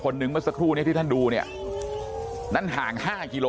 พวกมันกลับมาเมื่อเวลาที่สุดพวกมันกลับมาเมื่อเวลาที่สุด